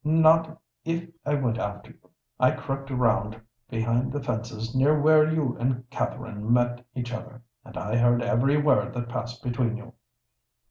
Not I! I went after you—I crept round behind the fences near where you and Katherine met each other—and I heard every word that passed between you."